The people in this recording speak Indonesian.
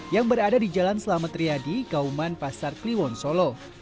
yang berada di jalan selamat riyadi kauman pasar kliwon solo